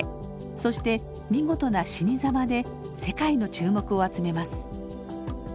そして見事な死にざまで世界の注目を集めます。